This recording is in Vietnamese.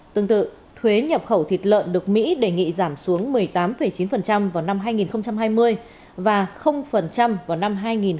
tương tự thuế nhập khẩu thịt lợn được mỹ đề nghị giảm xuống một mươi tám chín vào năm hai nghìn hai mươi và vào năm hai nghìn hai mươi một